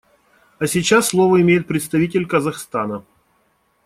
А сейчас слово имеет представитель Казахстана.